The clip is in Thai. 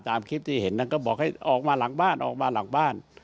ตามคลิปที่เห็นนั่นก็บอกให้ออกมาหลังบ้าน